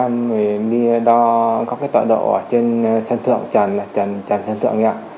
một em đi đo các tọa độ trên sân thượng trần sân thượng